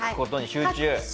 集中！